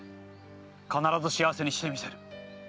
必ず幸せにしてみせる。